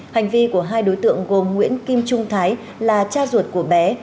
hành vi của hai đối tượng gồm nguyễn kim trung thái là cha ruột của bé